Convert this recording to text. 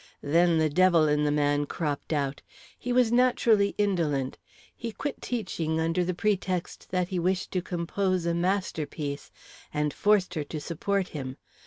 Then the devil in the man cropped out. He was naturally indolent. He quit teaching under the pretext that he wished to compose a masterpiece, and forced her to support him.